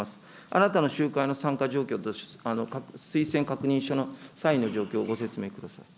あなたの集会の参加状況と推薦確認書のサインの状況、ご説明くだ